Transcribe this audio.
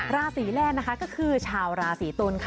ราศีแรกนะคะก็คือชาวราศีตุลค่ะ